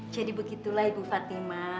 jadi begitulah ibu fatima